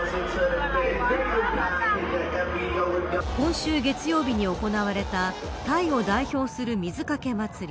今週月曜日に行われたタイを代表する水かけ祭り